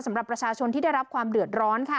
สำหรับประชาชนที่ได้รับความเดือดร้อนค่ะ